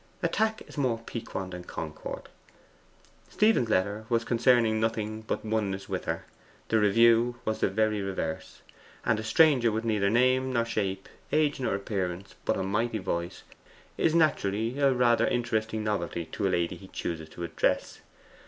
Attack is more piquant than concord. Stephen's letter was concerning nothing but oneness with her: the review was the very reverse. And a stranger with neither name nor shape, age nor appearance, but a mighty voice, is naturally rather an interesting novelty to a lady he chooses to address.